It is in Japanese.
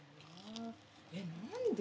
・えっ何で？